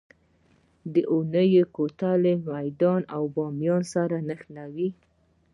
د اونی کوتل میدان او بامیان نښلوي